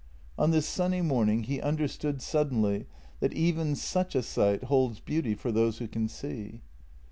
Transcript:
On this sunny morning he understood suddenly that even such a sight holds beauty for those who can see.